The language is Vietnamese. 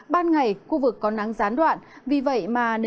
ban ngày khu vực có nắng gián đoạn